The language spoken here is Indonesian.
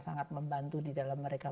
sangat membantu di dalam mereka